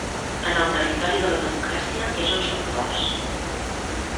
En el territori de la democràcia és on som forts.